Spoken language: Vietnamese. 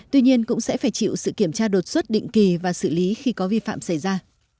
tuy nhiên cũng sẽ phải chịu sự kiểm tra đột xuất định kỳ và xử lý khi có vi phạm xảy ra